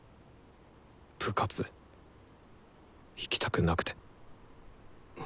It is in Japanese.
部活行きたくなくて。